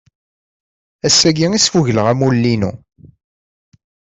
Ass-agi i sfugleɣ amulli-inu.